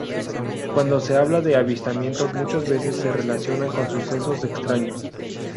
Cuando se habla de avistamientos muchas veces se relaciona con sucesos 'extraños'.